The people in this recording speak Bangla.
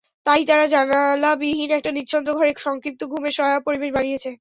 তাই তারা জানালাবিহীন একটা নিশ্ছিদ্র ঘরে সংক্ষিপ্ত ঘুমের সহায়ক পরিবেশ বানিয়েছে।